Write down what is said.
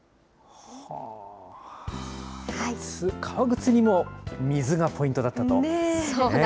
革靴にも水がポイントだったと。